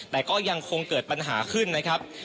แต่ก็ยังคงเกิดปัญหาขึ้นนะครับ